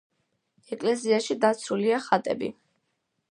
ეკლესიაში დაცულია ხატები.